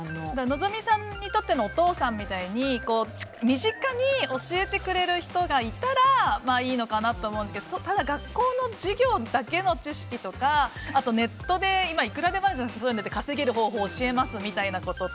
望実さんのお父さんみたいに身近に教えてくれる人がいたらいいのかなと思いますけどただ、学校の授業だけの知識とかネットでいくらでも今あるじゃないですか稼げる方法を教えますみたいな。